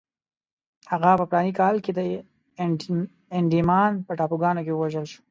هغه په فلاني کال کې د انډیمان په ټاپوګانو کې ووژل شو.